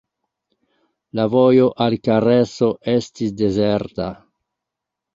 La vojo al Kareso estis dezerta.